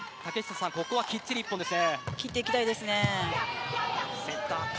ここはきっちり１本です。